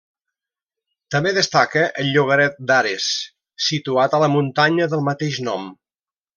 També destaca el llogaret d'Ares situat a la muntanya del mateix nom.